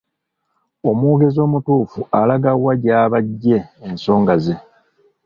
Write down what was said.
Omwogezi omutuufu alaga wa gy'aba aggye ensonga ze.